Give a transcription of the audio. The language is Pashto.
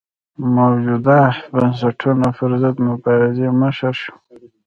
د موجوده بنسټونو پرضد مبارزې مشر شو.